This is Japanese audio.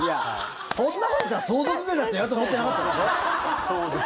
そんなこと言ったら相続税だってやると思ってなかったでしょ？